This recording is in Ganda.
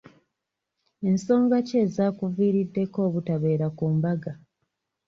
Ensoga ki ezaakuviiriddeko obutabeera ku mbaga?